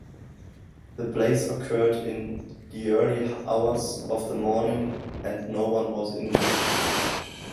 The blaze occurred in the early hours of the morning and no-one was injured.